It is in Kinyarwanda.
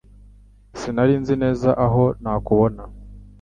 Sinari nzi neza aho nakubona